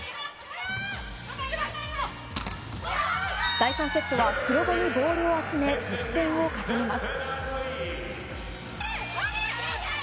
第３セットは黒後にボールを集め、得点を重ねます。